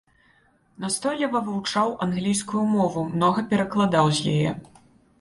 Настойліва вывучаў англійскую мову, многа перакладаў з яе.